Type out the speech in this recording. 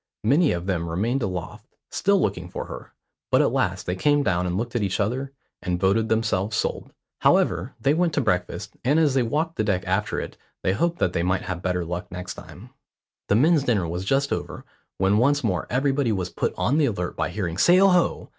Many of them remained aloft, still looking for her, but at last they came down and looked at each other, and voted themselves sold. However, they went to breakfast, and as they walked the deck after it they hoped that they might have better luck next time. The men's dinner was just over, when once more everybody was put on the alert by hearing "Sail ho!"